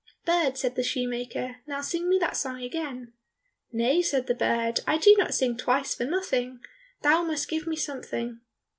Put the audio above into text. "Bird," said the shoemaker, "now sing me that song again." "Nay," said the bird, "I do not sing twice for nothing; thou must give me something."